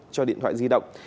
cho điện thoại di động